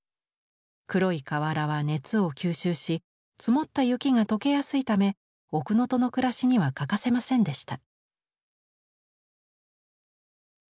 黒い瓦は熱を吸収し積もった雪が解けやすいため奥能登の暮らしには欠かせませんでした。